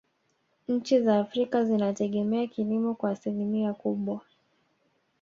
nchi za afrika zinategemea kilimo kwa asilimia kubwa